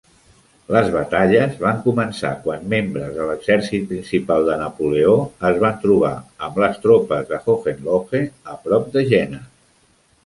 Les batalles van començar quan membres de l'exèrcit principal de Napoleó es van trobar amb les tropes de Hohenlohe a prop de Jena.